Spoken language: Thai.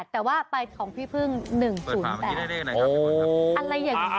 ๙๐๘แต่ว่าไปของพี่ฟึ้ง๑๐๘